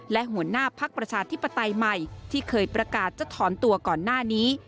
และหัวหน้าพักประชาธิปไตยใหม่ที่เคยประกาศจะถอนตัวก่อนหน้านี้